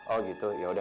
oh gitu yaudah